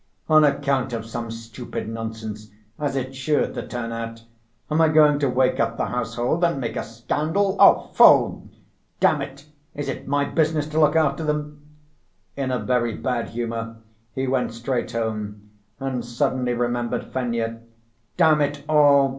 "On account of some stupid nonsense—as it's sure to turn out—am I going to wake up the household and make a scandal? Fooh! damn it, is it my business to look after them?" In a very bad humor he went straight home, and suddenly remembered Fenya. "Damn it all!